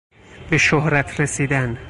به شهرت رسیدن